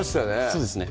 そうですね